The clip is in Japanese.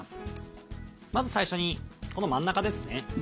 まず最初にこの真ん中ですね。